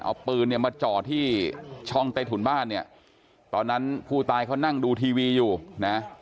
เอาปืนเนี่ยมาจ่อที่ช่องใต้ถุนบ้านเนี่ยตอนนั้นผู้ตายเขานั่งดูทีวีอยู่นะ